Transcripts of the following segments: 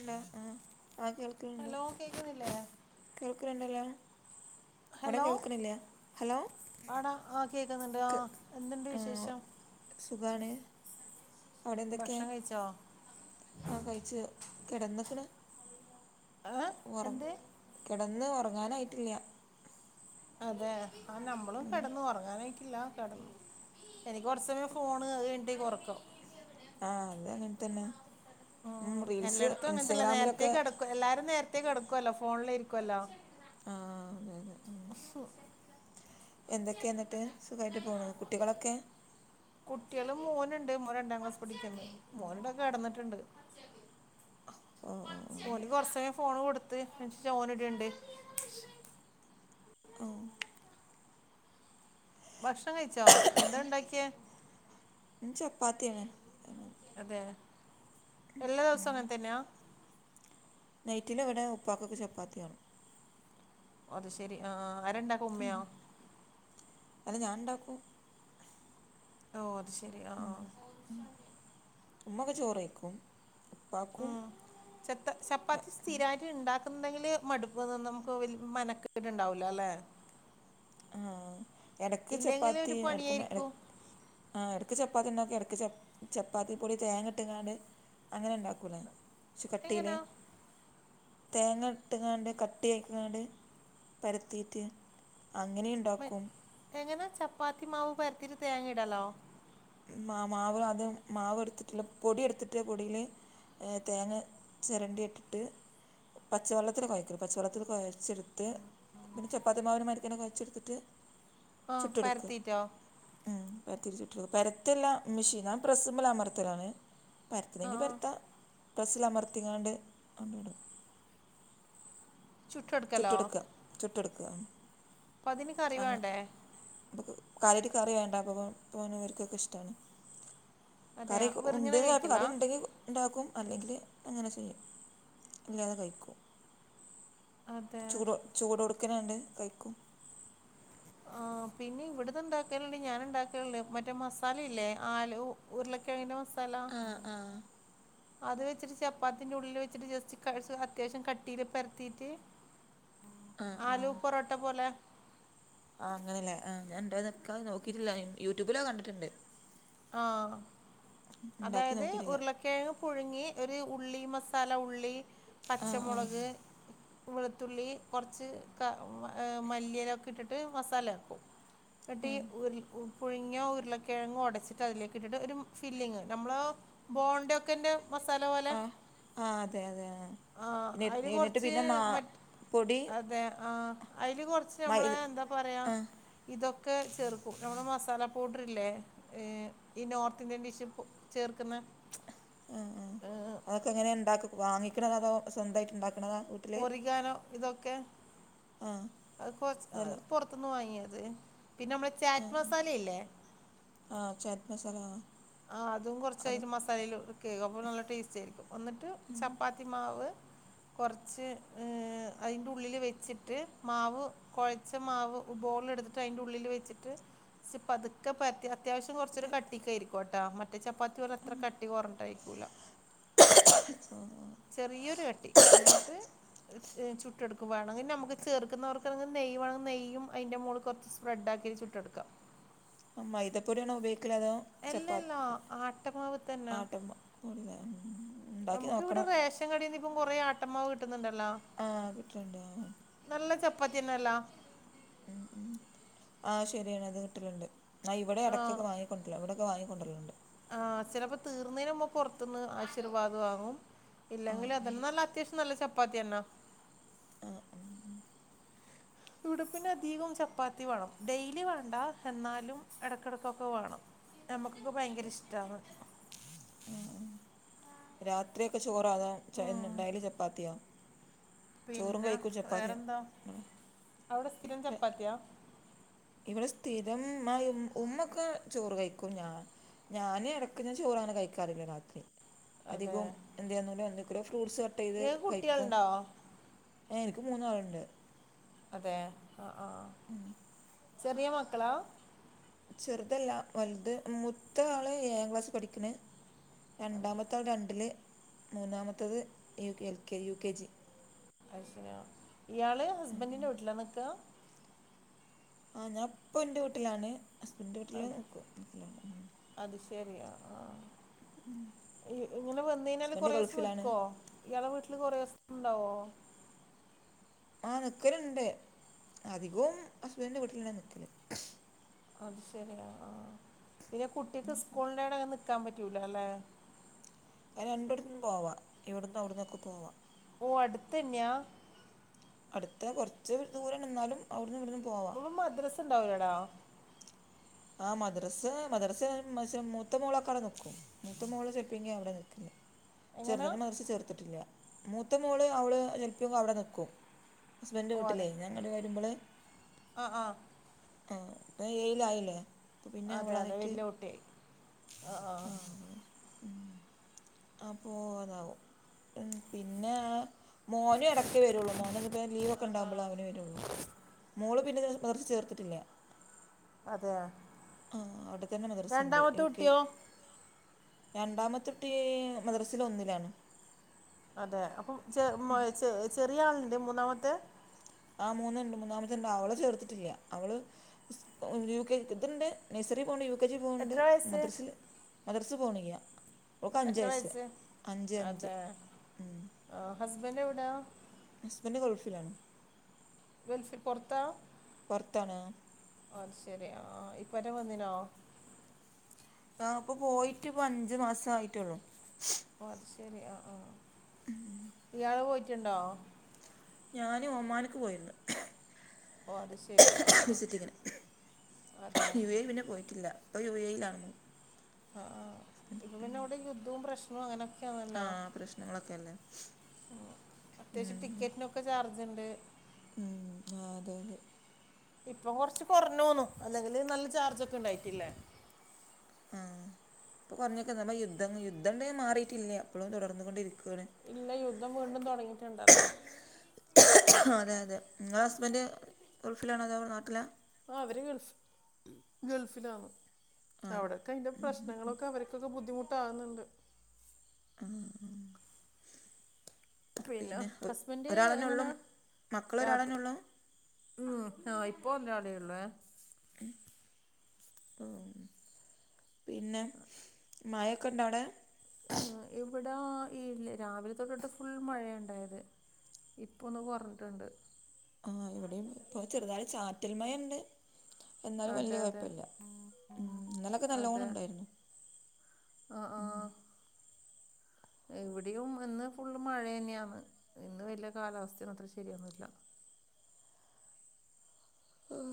ണ്ടാ ആഹ് ആഹ് കേൾക്ക്ണ്ട് ഹലോ കേൾക്കുന്നില്ലേ കേൾക്ക്ണ്ണ്ടല്ലോ അടെ ഹലോ കേൾക്കണില്ലേ ഹലോ ആടാ ആ കേൾക്കുന്നുണ്ട് ആ ക് എന്തുണ്ട് ആഹ് വിശേഷം സുഖാണ് ഭക്ഷണം കഴിച്ചോ? ആഹ് കഴിച്ച് കിടന്ന്ക്ക്ണ് ഏ ഒറ എന്ത് കിടന്ന് ഉറങ്ങാനായിട്ടില്ല അതെ ആഹ് നമ്മളും ഉം കെടന്ന് ഉറങ്ങാനായിട്ട് ഇല്ല കട് എനിക്ക് കുറ സമയം ഫോണ് അത് കഴിഞ്ഞിട്ടേ ഒറക്കണം ആഹ് അത് അങ്ങനെ തന്നെ റീൽസ് ഇൻസ്റ്റഗ്രാമിലൊക്കെ എല്ലാരും നേരത്തേ കിടക്കുവല്ലോ ഫോണില് ഇരിക്കുല്ലോ ആഹ് അതെ എന്തൊക്കെ ന്നട്ട് സുഖമായിട്ട് പോണു കുട്ടികളൊക്കെ കുട്ടിയള് മോനുണ്ട് മോ രണ്ടാം ക്ലാസ് പഠിക്കുന്നു മോന് പ്പ കെടന്നിട്ടുണ്ട് ഓ ഓ ഓ ഓന് കൊർച്ചേരം ഫോണ് കൊടുത്ത് എ ജോൻ ഇട്ണ്ട് ഓ ഭക്ഷണം കഴിച്ചോ എന്താ ഉണ്ടാക്കിയെ ചപ്പാത്തിയന്നെ അതെ എല്ലാ ദിവസും അങ്ങൻ ത്തന്നെയാ നൈറ്റില് ഇവിടെ ഉപ്പാക്കൊക്കെ ചപ്പാത്തിയാണം അത് ശെരി അ ആഹ് ആരാണ്ടാക്ക ഉമ്മയോ അല്ല ഞാൻ ഇണ്ടാക്കൂം ഓ അത് ശരി അ ആഹ് ഉമ്മക്കെ ചോറയ്ക്കും ഉപ്പാക്കും ഉം ചത്ത ചപ്പാത്തി സ്ഥിരായിട്ട് ഇണ്ടാക്കുന്നെങ്കില് മടുപ്പ് നിന്ന് നമുക്ക്ല മനക്കേട് ഉണ്ടാവൂലലേ അല്ലേ ആഹ് ഇടക്ക് ഇല്ലെങ്കിൽ ഒരു ചപ്പാത്തി എടക്കുമ്പട പണിയായിരിക്കും ആഹ് ഇടക്ക് ചപ്പാത്തി ഇണ്ടാക്കും എടക്ക് ചപ്പാത്തി പൊടി തേങ്ങ ഇട്ടിങ്ങാണ്ട് അങ്ങനെ ഇണ്ടാക്കൂലെ കൊർച് കട്ടില് എങ്ങനാ തേങ്ങ ഇട്ട്കാണ്ട് കട്ടി ആക്കിക്കാണ്ട് പരത്തീട്ട് അങ്ങനിണ്ടാക്കും എങ്ങനെ ചപ്പാത്തി മാവ് പരത്തീട്ട് തേങ്ങ ഇടലോ മാ മാവ് അത് മാവ് എടുത്തിട്ട് പൊടി എടുത്തിട്ട് പൊടില് അ തേങ്ങ ചിരണ്ടിയിട്ട് പച്ചവെള്ളത്തിൽ കൊഴക്ക പച്ചവെള്ളത്തിൽ കൊഴച്ചിട്ത്ത് പിന്നെ ചപ്പാത്തിമാവതിന് മതിര്ക്കന്നെ കൊയച്ചെടുത്തിട്ട് ആ ചുട്ടെടുക്ക പരത്തിയിട്ടോ ഉ പത്തിരി ചുട്ടെടുക്ക പര പരത്തല്ല മെഷീനാ പ്രസ്സ്മ്മല് അമർത്തലാണ് ആ പരത്ത്ണെങ്കി ആ പരത്താ പ്രസ്സിൽ അമർത്തിങ്ങാണ്ട് വണ്ടിടും ചുട്ടെടുക്കലോ ചുട്ടെടുക്കുക ചുട്ടെടുക്കുക അപ്പൊ അതി കറി വേണ്ടേ പ്പൊ കാര്യായിട്ട് കറി വേണ്ട അപ്പ പോനവർക്കൊക്കെ ഇഷ്ടമാണ് അതെ കറി വെറുങ്ങനെ ഉണ്ടെ അപ്പൊ കഴിക്കലാ കറി ഉണ്ടെങ്കി ഉണ്ടാക്കും അല്ലെങ്കിൽ അങ്ങനെ ചെയ്യും ഇല്ലാതെ കഴിക്കും അദ് ചൂട് ചൂടൊട്ക്കനണ്ട് കഴിക്കും ആ പിന്നെ ഇവിടന്ന് ഇണ്ടാക്കാനുണ്ട് ഞാൻ ഉണ്ടാകലുണ്ട് മറ്റേ മസാലയില്ലേ ആലു ഉരുളക്കിഴങ്ങിന്റെ മസാല ആഹ അത് വെച്ചിട്ട് ചപ്പാത്തിൻ്റെ ഉള്ളില് വെച്ചിട്ട് ജസ്റ്റ് അത്യാവശ്യം കട്ടിയില് പരത്തിയിട്ട് ആഹ് ആലു പൊറോട്ട പോലെ ആഹ അങ്ങനെയല്ലേ ആ ഞാൻണ്ടായാ നോക്കിയിട്ടില്ല യൂട്യൂബിലൊ കണ്ടിട്ടുണ്ട് ആഹ ഉണ്ടാക്കി അതായത് നോക്കിയിട്ടില്ല ഉരുള കിഴങ്ങ് പുഴുങ്ങി ഒരു ഉള്ളി മസാല ഉള്ളി ആഹ് ആഹ് പച്ചമുളക് വെളുത്തുള്ളി കുറച്ച് ക മല്ലിയിലൊക്കെ ഇട്ടിട്ട് മസാല ആക്കും പട്ടി ആഹ് ഉരു ഉ പുഴുങ്ങിയ ഉരുളക്കിഴങ്ങ് ഒടച്ചിട്ട് അതിലേക്ക ഇട്ടിട്ട് ഒരു ഫിലിംഗ് നമ്മള് ബോണ്ട ഒക്കെ എന്റെ മസാല പോലെ ആഹ് ആഹ് അതെ അതെ ആഹ് ആഹ അതിൽ എന്നിട്ട് കുറച്ച് പിന്നെ മാ മറ്റ് പൊടി അതെ ആഹ അതില് കൊറച്ച് മൈ നമ്മള എന്താ പറയാ ആഹ് ഇതൊക്കെ ചേർക്കും നമ്മുടെ മസാല പൗഡർല്ലേ ഈ നോർത്ത് ഇന്ത്യൻ ഡിഷ ഇ ചേർക്കുന്ന ആഹ് ആഹ് ഏ അതൊക്കെ എങ്ങനെ ഉണ്ടാക്കും വാങ്ങിക്കണത അതോ സ്വന്തമായിട്ട് ഉണ്ടാക്കണതാണ് ഒറികാനോ ഇതൊക്കെ ആ അത് കൊ പുറത്ത നിന്ന് വാങ്ങിയത് പിന്നെ നമ്മള ചാറ്റ് മസാലയില്ലേ ആഹ ചറ്റ് മസാല ഹാ ആ അതും കുറച്ചായിട്ട് മസാലൽടുക്കക്ക അപ്പൊ നല്ല ടേസ്റ്റ ആയിരിക്കും എന്നിട്ട് ഉം ചപ്പാത്തി ത്തി മാവ് കുറച്ച് അതിറെ ഉള്ളില് വെച്ചിട്ട് മാവ് കുഴച്ച മാവ് ബോള എടുത്തിട്ട് അതിന്റെ ഉള്ളിൽ വെച്ചിട്ട് പതു അത്യാവശ്യം കുറച്ചൊരു ഇപ്പം കട്ടിക്ക ആയിരിക്കോട്ടോ മ മറ്റേ ചപ്പാത്തി വരെ അത്ര കട്ടി കൊറട്ടായിക്കൂല ചെറിയൊരു കട്ടി എന്നിട്ട് ചുട്ടെടുക്കുകവായാണെങ്കിൽ നമുക്ക് ചേർക്കുന്നവർക്കണെങ്കിൽ നെയ്യ വണെങ്ക നെയ്യ അതിന്റെറെ മുകളിൽ കുറച്ച് ബ്രഡാക്കിരി ചുട്ടെടുക്കാം ആ മൈതപ്പൊടിയണോ ഉപയോഗിക്കൽ അതോ എല്ലല്ലോ ചപ്പാത്തി ആട്ടമാവ് തന്നെ പടിത നമുക്ക് ഇവിടെ റേഷൻ കടൽ നിന്ന് ഇപ്പം കൊറേ ആട്ടമാവ് കിട്ടുന്നുണ്ടല്ലോ ആഹ് കിട്ടണ്ട് ആ നല്ല ചപ്പാത്തിനല്ല ഉ ഉ ആ ശരിയാണ് അത് കിട്ടലുണ്ട് ആാ ഇവിടെ ആ ഇടയ്ക്കൊക്കെ വാങ്ങിക്ക കൊണ്ട ഇവിടെക്കെ വങ്ങിക്കെണ്ട ലുണ്ട് ആ ചിലപ്പോ തീർന്നതിനന് മുമ്പ പുറത്തുന്ന് ആശീർവാദം വാങ്ങും ഇല്ലെങ്കിൽ ആഹ് അതെ ആഹ് നല്ല അത്യാവശ്യം നല്ല ചപ്പാത്തിയന്ന ആ ഇവിടെ പിന്നെ അധികം ചപ്പാത്തി വേണം ഡെയിലി വേണ്ട എന്നാലും ഇടക്കിടക്കൊക്കെ വേണം നമുക്കൊക്കെ ഭയങ്കര ഇഷ്ടമാണ് രാത്രിഒക്കെ ചോറോ അതോ ഡെയിലി ചപ്പാത്തിയൊ പിന്നെ വേറെന്താ ചപ്പാത്തിയും അവിടെ സ്ഥിരം ചപ്പാത്തിയാ? ഇവിടെ സ്ഥിരം ആ ഉമ്മൊക്കെ ചോറ് കഴിക്കും ഞാൻ- ഞാൻ ഇടയ്ക്ക് ചോറങ്ങനെ കഴിക്കാറില്ല രാത്രി അതെ അധികം എന്താന്ന എന്തൊങ്കിലും ഫ്രൂട്ട്സ് ചെയ്ത് ഇങ്ങൾക്ക് കഴിക്കും കുട്ടികളുണ്ടോ? എനിക്ക് മൂന്നാളുണ്ട്. അതെ ആ ആ ചെറിയ മക്കളാ? ചെറുതല്ല വലുത് മൂത്ത ആള് ഏഴാം ക്ലാസ് പഠിക്ക്ണ് അതെ രണ്ടാമത്തെ ആൾ രണ്ടില് മൂന്നാമത്തേത് യ L K U K G. അത് ശരിയാ ഇയാൾ ഹസ്ബൻഡിൻ്റെ വീട്ടിലാണ് നിക്ക ആ ഞാൻ ഇപ്പം ഇൻ്റെ വീട്ടിലാണ് ഹസ്ബൻന്റിന്റെ വീട്ടിൽ അതെ നിക്കും അത് ശെരിയാ ആഹ ഇങ്ങനെ വന്ന് കഴിഞ്ഞാല് ഹസ്ബൻഡ് കൊറെേ ദിവസം ഗൾഫിലാണ് നിക്കോ ഇയാളെ വീട്ടില് കൊറെേ ദിവസം ണ്ടാവോ? ആ നിൽക്കലുണ്ട് അധികവും ഹസ്ബൻഡിൻ്റെ വീട്ടിലന്നെ നിൽക്കല്. അത് ശരിയാണ് ആ പിന്നെ കുട്ടിക്ക് സ്കൂളിണ്ടാ കൊണ്ട് നിൽക്കാൻ പറ്റൂല്ല അല്ലേ? ഏ രണ്ടിടത്തു നിന്ന് പോവാ ഇവിടുന്ന് അവിടുന്നൊക്കെ പോവാ. ഓ അടുത്തന്യാ അടുത്ത് കുറച്ച് ദൂരം ന്നാലും അവിടുന്ന് ഇവിടുന്ന് പോവാ. മദ്രസ് ഉണ്ടാവൂലടാ ആ മദ്രസ് മദ്രസ് മ മൂത്ത മോളാ ക്കാടെ നിക്കും. മൂത്ത മോള് ചെലപ്പിങ്കി അവിടെ നിൽക്കൽ എങ്ങനാ ചെറുതിനെ മദ്രസയിൽ ചേർത്തിട്ടില്ല മൂത്ത മോള് അവള് ചിലപ്പോ അവിടെ നിക്കും ഹസ്ബൻഡ് ഓ അതെ വീട്ടിലേ ഞാനിങ്ങട് വരുമ്പള് ആ ആ ആ അപ്പ ഏഴിലായില്ലേ അപ്പോ പിന്നെ അതെ അതെ അവളായിട്ട് വലിയ കുട്ടിയായി ആ അപ്പൊ അതാവും ഉം പിന്നെ മോനും ഇടക്ക് വരുള്ളൂ മോൻ ഇപ്പോ ലീവ്ക്കെ ഉണ്ടാകുമ്പളെ അവന് വരുള്ളൂ. മോള് പിന്നെ മദ്റസ ചേർത്തിട്ടില്ല അതെയോ ആ അവിടെത്തന്നെ മദ്രസ ഉണ്ട് യു കെ ജി രണ്ടാമത്തെ കുട്ടി മദ്രസെൽ ഒന്നിലാണ് അതെ അപ്പം ച ചെറിയ ആളുണ്ട് മൂന്നാമത്തെ ആ മൂന്നുണ്ട് മൂന്നാമത്തെ ഉണ്ട് അവള് ചേർത്തിട്ടില്ല അവള് യ കെ ഇത്ണ്ട് നഴ്സറി പോണ്ട് യു കെ കെ ജി പോവണ്ട് എത്ര വയസ്സ് മദ്രസിൽ മദ്രസ് പോണില്ല്യ ഓൾക് അഞ്ച് വയസ്സ് അഞ്ച് അഞ്ച് അതെ ഉം. ആ ഹസ്ബൻഡ് എവിടാ? ഹസ്ബെൻഡ് ഗൾഫിലാണ്. ഗൾഫി പൊറത്താ പൊർത്താണ് ആഹ് അ ശരി ഇപ്പറ്റെ വന്നിനോ? ആഹ ഇപ്പൊ പോയിട്ട് ഇപ്പ അഞ്ചു മാസ ആയിട്ടുള്ളൂ ഓ അത് ശരി ആ ആ ഇയാള് പോയിട്ടുണ്ടോ? ഞാന് ഒമാന്ക്ക് പോയിരുന്നു. ഓ അത് ശരി ആ ആ വിസിറ്റിങ്ങിന് അതെ യു എ ഇ പിന്നെ പോയിട്ടില്ല. ഇപ്പൊ യൂ എ ഇ ലാണ് ആഹ ആ പ്പൊ പിന്നെ അവിടെ യുദ്ധവും പ്രശ്നവും അങ്ങനെ- ആഹ പ്രശ്നങ്ങളൊക്കെല്ലേ? അത്യാവശ്യം ടിക്കറ്റിനൊക്കെ ചാർജ്ണ്ട്. ഉം ആ അതെ അതെ. ഇപപ്പം കൊറച്ച് കൊറഞ്ഞൂണു അല്ലെങ്കില് നല്ല ചാർജ് ഒക്കെ ഇണ്ടായിട്ടില്ലേ ആഹ് ഇപ്പോ കൊറഞ്ഞ്ക്കെ ഇന്നാമ്മ യുദ്ധം യദ്ധണ്ട് മാറിറ്റില്ലാ ഇപ്പളും തുടർന്നു കൊണ്ടിരിക്കാണ്. ഇല്ല, യുദ്ധം വീണ്ടും തൊടങ്ങിട്ടുണ്ടല്ലോ. അതെ അതെ ഇങ്ങള ഹസ്ബെൻഡ് ഗൾഫിലാണോ അതോ നാട്ടിലാ. ആഹ് അവര് ഗൾഫ് ഗൾഫിലാന്ന് ആഹ് അവിടൊക്കെ അയിന്റെ പ്രശ്നങ്ങളൊക്കെ അവര് ചോക്കെ ബുദ്ധിമുട്ടാകുന്നുണ്ട് ആഹ് ആഹ് പിന്നെ ഹസ്ബെൻഡ് ഒരാളന്നെ ഉള്ളൂ എങ്ങനാ മക്കൾ ഒരാളന്നെ രാത്രി ഉള്ളൂ ഉം ആഹ് ഇപ്പൊ ഓന്റാടെ ഉള്ളേ ഏഹ് ഇപ്പൊ പിന്നെ മഴൊക്കെ ഉണ്ടോ അവിടെ ആഹ് ഇവിടാ ഈല്ലെ രാവിലെ തൊട്ടിട്ട് ഫുൾ മഴയാ ഇണ്ടായത് ഇപ്പ ഒന്ന് കൊറഞ്ഞിട്ടുണ്ട്. ആഹ് ഇവിടെ ഇപ്പൊ ചെറുതായ ചാറ്റൽ മഴ ഉണ്ട് എന്നാലും അതെ വെല്യാ അതെ കൊഴപ്പില്ല. ഉം ഇന്നലെക്കെ നല്ലവോണം ഉണ്ടായിരുന്നു. ആഹ് ആഹ് ഇവ്ടെയും ഇന്ന് ഫുള്ള് മഴയന്നെയാന്ന്. ഇന്ന് വലിയ കാലാവസ്ഥന്നും അത്ര ശെരിയൊന്നുല്ല ഉം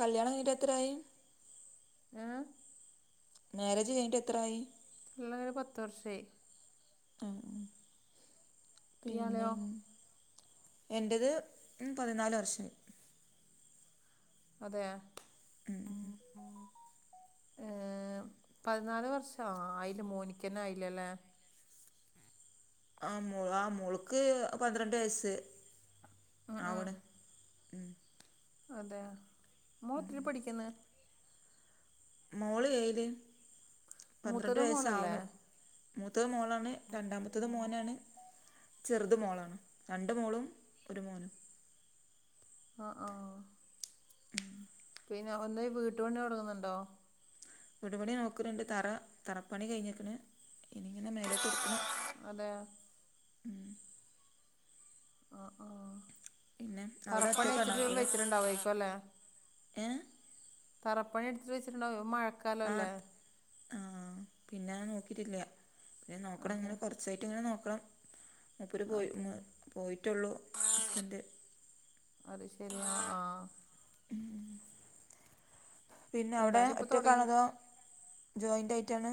കല്ല്യാണം കഴിഞ്ഞിട്ട് എത്രയായി ഏഹ് മാര്യേജ് കയിഞ്ഞിട്ട് എത്ര ആയി പിള്ളേര് പത്ത് വർഷായി ആഹ് ഇയാളയോ എന്റത് ഉം പതിനാല് വർഷായി. അതെയൊ ഉം. ഏഹ്, പതിനാല് വർഷം ആയില്ല, മോനിക്കെന്നെ ആയില്ല ലെ ആഹ് മോ ആഹ് മോൾക്ക് പന്ത്രണ്ട് വയസ്സ് ഉം ആവ്ണ് ഉം അതെയാ മോൾ എത്രേല് പഠിക്കുന്ന് മോള് ഏഴില് പന്ത്രണ്ട് മൂത്തത് വയസ്സ് മോളല്ലേ ആവ്ണു മൂത്തത് മോളാണ് രണ്ടാമത്തത് മോനാണ് ചെറുത് മോളാണ് രണ്ട് മോളും ഒരു മോനും ആഹ് ആഹ് [inaudible] പിന്നെ ഒടനെ വീട്ടു പണി തൊടങ്ങുന്നുണ്ടോ വിടുപണി നോക്ക്ണ്ണ്ട് തറ തറപ്പണി കഴിഞ്ഞിക്ക്ണ് ഇനിങ്ങനെ മേലോട്ട് ഇട്ക്കണം അതെ ആഹ് ആഹ് പിന്നെ അവിടെ തറപ്പണി ഒറ്റക്കാണോ കയ്ച്ച്ട്ട് വീട് വെയ്ച്ച്ട്ട്ണ്ടാവേര്ക്കും ലേ. ഏ തറ പണിയെടുത്ത് വെച്ചിട്ടുണ്ടാവേ മഴ. ആഹ് അത് ആഹ് പിന്നെ അങ്ങനെ നോക്കിറ്റില്ല്യ ഇഞ് അത് നോക്കണം അതെ ഇങ്ങനെ കൊറ വെബ്സൈറ്റ് ഇങ്ങനെ നോക്കണം മൂപ്പർ പോയി അതെ അതെ പോയിട്ടുള്ളൂ ഹസ്ബൻഡ് അത് ശരിയാ ആഹ് പിന്ന അവടെ എന്തായാലും ഇപ്പം തുടങ്ങി ഒറ്റക്കാണതോ? ജോയിന്റ് ആയിട്ടാണ്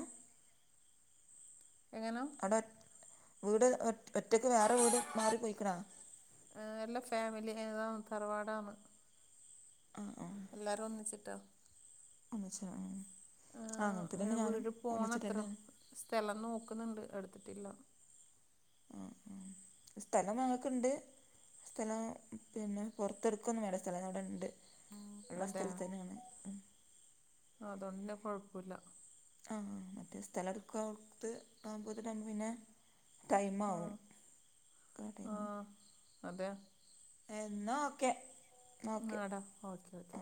എങ്ങന? അവിടെ ഒ വീട് ഒ ഒറ്റക്ക് വേറെ വീട് മാറി പോയിക്ക്ണോ എഹ് എല്ലാ ഫമിലി ഏ തറവാടാണ്. ആ ആ എല്ലാരും ഒന്നിച്ചിട്ടോ. അഛ ഇങ്ങനെ വീട് പോണത്ര. തന്നെയാണ് സ്ഥലം നോക്കുന്നുണ്ട് എടുത്തിട്ടില്ല. സ്ഥലം ഞങ്ങൾക്കുണ്ട്. സ്ഥലം പിന്നെ പുറത്തെടുക്കോന്ന് വേണ്ട. സ്ഥലം അവിടെണ്ട്. അതെ അതുകൊണ്ട് കൊഴപ്പില്ല. ആഹ മറ്റേ സ്ഥലം എടുക്കത്ത് ആ [unintelligible] പിന്നെ ആഹ ടൈമാവും ടൈമാവും ആഹ അതെ. എന്നാ ഒക്കെ. ആടാ ഓക്കേ ഓക്കെ.